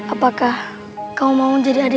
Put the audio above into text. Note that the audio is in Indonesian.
apakah kamu mau jadi adikku ratri